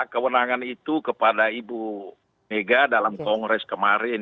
kewenangan itu kepada ibu mega dalam kongres kemarin